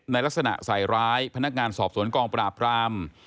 ลักษณะใส่ร้ายพนักงานสอบสวนกองปราบราม